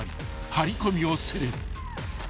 ［張り込みをする］